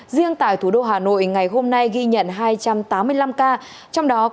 riêng tại thủ đô hà nội ngày hôm nay ghi nhận hai trăm tám mươi năm ca trong đó có một trăm hai mươi hai ca ngoài cộng đồng